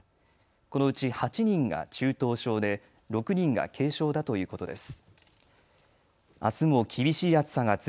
このうち８人が中等症で６人が軽症だということです。